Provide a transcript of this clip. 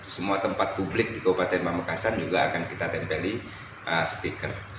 semua tempat publik di kabupaten pamekasan juga akan kita tempeli stiker